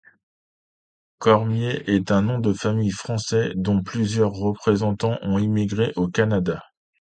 Cormier est un nom de famille français, dont plusieurs représentants ont immigré au Canada.